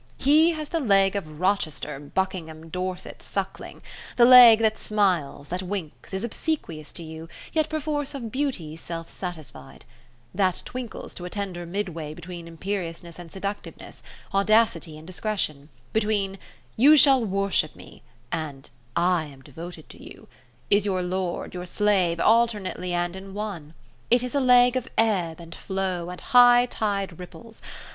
He has the leg of Rochester, Buckingham, Dorset, Suckling; the leg that smiles, that winks, is obsequious to you, yet perforce of beauty self satisfied; that twinkles to a tender midway between imperiousness and seductiveness, audacity and discretion; between "You shall worship me", and "I am devoted to you;" is your lord, your slave, alternately and in one. It is a leg of ebb and flow and high tide ripples.